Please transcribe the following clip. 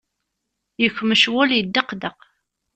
Yekmec wul yeddeqdeq.